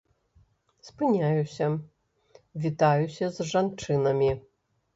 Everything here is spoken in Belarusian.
Спыняюся, вітаюся з жанчынамі.